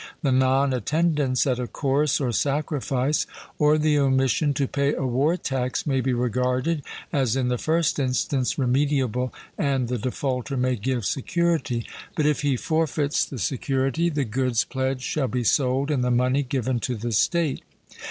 The non attendance at a chorus or sacrifice, or the omission to pay a war tax, may be regarded as in the first instance remediable, and the defaulter may give security; but if he forfeits the security, the goods pledged shall be sold and the money given to the state.